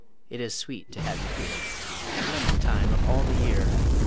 It is sweet to have you here, Lemon time of all the year!